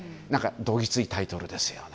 どぎついタイトルですよね。